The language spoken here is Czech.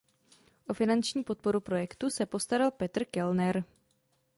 O finanční podporu projektu se postaral Petr Kellner.